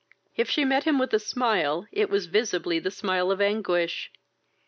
If she met him with a smile, it was visibly the smile of anguish.